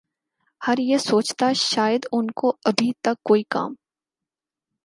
ھر یہ سوچتا شاید ان کو ابھی تک کوئی کام